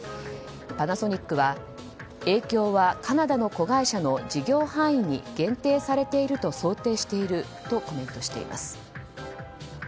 パナソニックは影響はカナダの子会社の事業範囲に限定されていると想定しているとコメントしています。